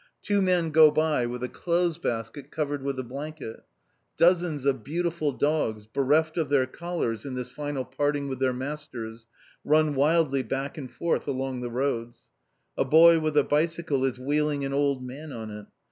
Two men go by with a clothes basket covered with a blanket. Dozens of beautiful dogs, bereft of their collars in this final parting with their masters, run wildly back and forth along the roads. A boy with a bicycle is wheeling an old man on it.